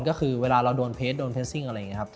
ก็คือเวลาเราโดนเพจโดนเพสซิ่งอะไรอย่างนี้ครับ